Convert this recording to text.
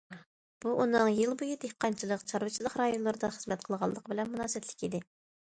بۇ ئۇنىڭ يىل بويى دېھقانچىلىق، چارۋىچىلىق رايونلىرىدا خىزمەت قىلغانلىقى بىلەن مۇناسىۋەتلىك ئىدى.